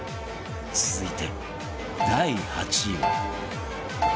続いて第８位は